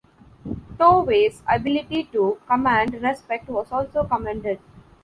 Tovey's ability to command respect was also commended.